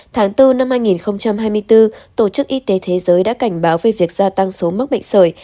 tháng bốn năm hai nghìn hai mươi bốn tổ chức y tế thế giới đã cảnh báo về việc gia tăng số mắc bệnh sởi